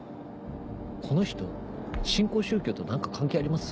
この人新興宗教と何か関係あります？